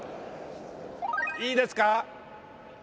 いいですか？